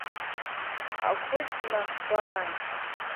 Ақәыџьма гәаан.